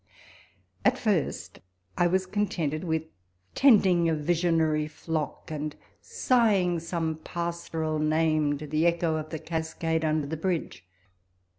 At first I was contented with tending a visionary flock, and sighing some pastoral name to the echo of the cascade under the bridge.